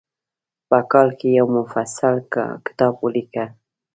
په کال کې یو مفصل کتاب ولیکه.